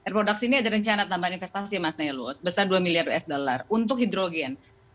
reproduksi ini ada rencana tambahan investasi mas nelus besar dua miliar usd untuk hidrogen